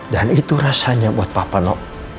dan itu rasanya buat papa no